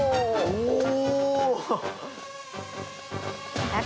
おお！